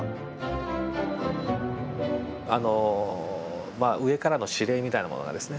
あのまあ上からの指令みたいなものがですね